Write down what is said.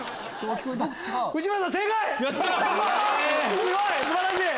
すごい！素晴らしい！